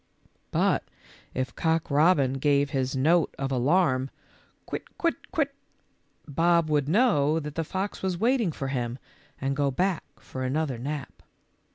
But if Cock robin gave his note of alarm, "Quit, quit, quit," Bob would know that the fox was waiting for him, and go back for another nap.